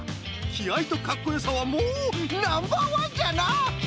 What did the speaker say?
きあいとかっこよさはもうナンバーワンじゃな！